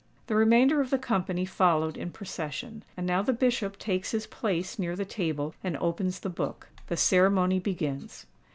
The remainder of the company followed in procession. And now the Bishop takes his place near the table, and opens the book. The ceremony begins.